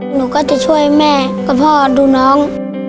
หนูก็จะช่วยแม่กับพ่อดูน้อง